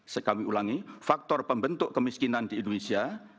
saya kami ulangi faktor pembentuk kemiskinan di indonesia